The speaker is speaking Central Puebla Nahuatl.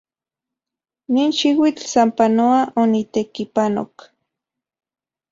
Nin xiuitl sapanoa onitekipanok.